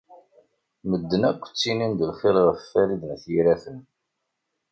Medden akk ttinin-d lxir ɣef Farid n At Yiraten.